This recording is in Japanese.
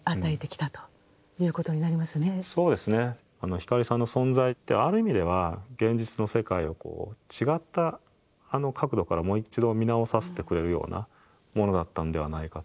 光さんの存在ってある意味では現実の世界をこう違った角度からもう一度見直させてくれるようなものだったんではないかと。